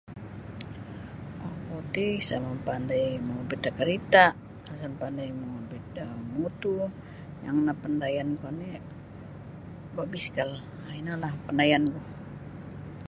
Oku ti isa mapandai mongobit sa karita isa mapandai mongobit da mutu yang napandaian ku oni babiskal ino lah pandaian ku.